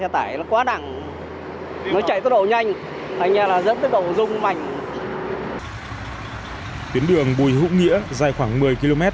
tuyến đường bùi hữu nghĩa dài khoảng một mươi km